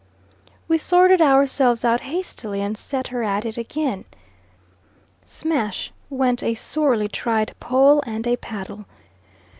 We sorted ourselves out hastily and sent her at it again. Smash went a sorely tried pole and a paddle.